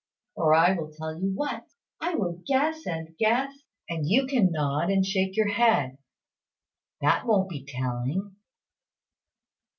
Or, I will tell you what. I will guess and guess; and you can nod or shake your head. That won't be telling."